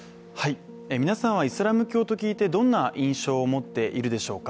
皆さんはイスラム教と聞いてどんな印象を持っているでしょうか？